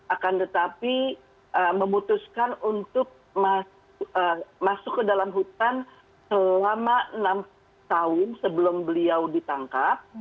akan tetapi memutuskan untuk masuk ke dalam hutan selama enam tahun sebelum beliau ditangkap